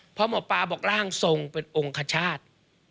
เพราะหมอปลาบอกร่างทรงเป็นองค์คชาติ